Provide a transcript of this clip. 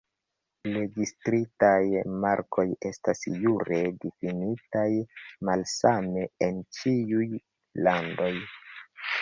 Registritaj markoj estas jure difinitaj malsame en ĉiuj landoj.